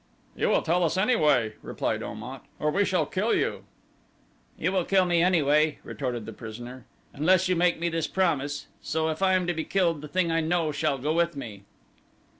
"You will tell us anyway," replied Om at, "or we shall kill you." "You will kill me anyway," retorted the prisoner, "unless you make me this promise; so if I am to be killed the thing I know shall go with me."